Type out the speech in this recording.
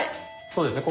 そうですね